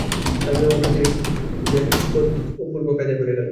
নামিবামাত্র, তীরে ছিল পিছল, ব্যাগসমেত অপূর্ব কাদায় পড়িয়া গেল।